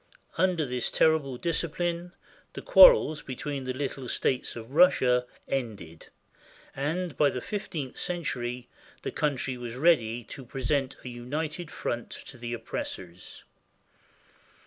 Under this terrible discipline the quar rels between the little states of Russia ended, and by the fif teenth century the country was ready to present a united front to the oppressors.